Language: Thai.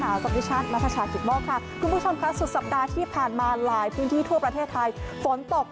ต่างไลน์วิชาธิพยาพย่ามบลังค์ค่ะคุณผู้ชมครับสุดสัปดาห์ที่ผ่านมาหลายพื้นที่ทั่วประเทศไทยฝนตบ